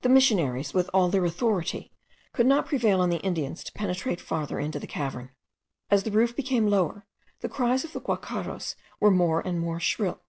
The missionaries, with all their authority, could not prevail on the Indians to penetrate farther into the cavern. As the roof became lower the cries of the guacharos were more and more shrill.